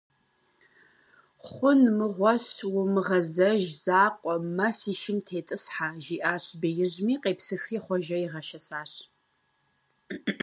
Хъун мыгъуэщ, умыгъэзэж закъуэ, мэ си шым тетӀысхьэ, - жиӀэщ беижьми, къепсыхри Хъуэжэ игъэшэсащ.